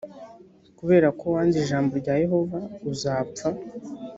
kubera ko wanze ijambo rya yehova uzapfa